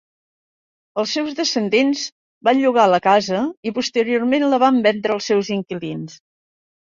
Els seus descendents van llogar la casa i posteriorment la van vendre als seus inquilins.